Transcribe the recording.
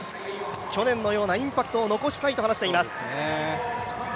去年のようなインパクトを残したいと話しています。